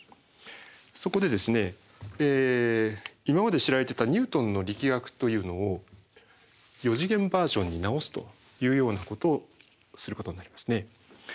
そこで今まで知られてたニュートンの力学というのを４次元バージョンに直すというようなことをすることになりますね。